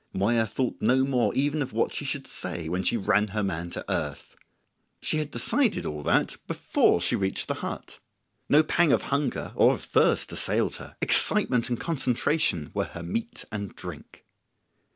Moya thought no more even of what she should say when she ran her man to earth. She had decided all that before she reached the hut. No pang of hunger or of thirst assailed her; excitement and concentration were her meat and drink.